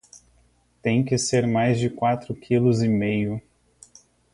Tem que ser mais de quatro quilos e meio.